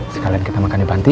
sekalian kita makan di panti